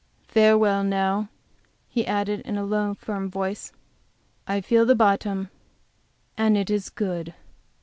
Farewell, now," he added, in a low, firm voice, "I feel the bottom, and it is good!"